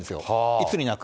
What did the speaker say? いつになく。